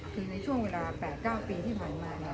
คือในช่วงเวลา๘๙ปีที่ผ่านมาเนี่ย